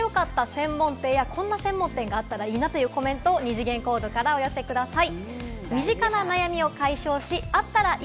専門店やこんな専門店があったらいいのになぁなどのコメントを二次元コードからお寄せください。